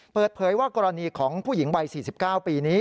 เปิดเผยว่ากรณีของผู้หญิงวัย๔๙ปีนี้